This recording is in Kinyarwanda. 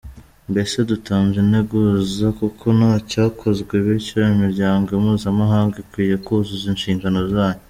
Mbese dutanze integuza kuko nta cyakozwe, bityo imiryango mpuzamahanga ikwiye kuzuza inshingano zayo.